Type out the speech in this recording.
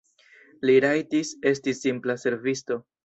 Li rajtis esti simpla servisto.